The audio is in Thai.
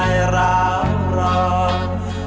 โอเคครับ